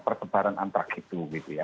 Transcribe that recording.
persebaran antrak itu